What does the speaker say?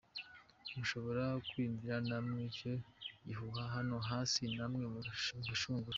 Mushobora kwiyumvira namwe icyo gihuha hano hasi namwe mugashungura: